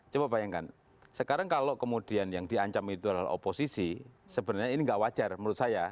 coba bayangkan sekarang kalau kemudian yang diancam itu adalah oposisi sebenarnya ini nggak wajar menurut saya